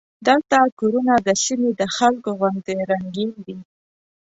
دلته کورونه د سیمې د خلکو غوندې رنګین دي.